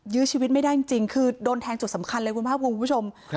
ยื้อชีวิตไม่ได้จริงคือโดนแทงจุดสำคัญเลยคุณภาคภูมิคุณผู้ชม